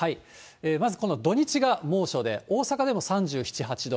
まずこの土日が猛暑で大阪でも３７、８度。